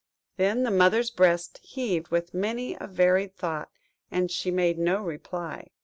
Then the Mother's breast heaved with many a varied thought, and she made no reply.